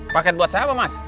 paket buat siapa mas